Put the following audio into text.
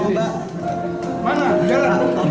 terima kasih pak om